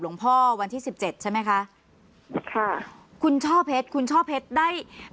หลวงพ่อวันที่สิบเจ็ดใช่ไหมคะค่ะคุณช่อเพชรคุณช่อเพชรได้